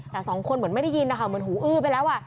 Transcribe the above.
แต่สองคนเหมือนไม่ได้ยินนะคะเหมือนหูอื้อไปแล้ว